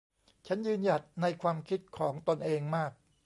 ฉันยืนหยัดในความคิดของตนเองมาก